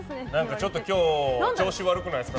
ちょっと今日調子悪くないですか？